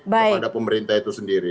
kepada pemerintah itu sendiri